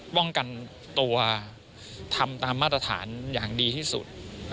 ป้องกันตัวทำตามมาตรฐานอย่างดีที่สุด